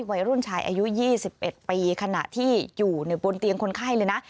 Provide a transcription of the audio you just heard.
วัยรุ่นชายอายุ๒๑ปีขณะที่อยู่บนเตียงคนไข้เลยนะ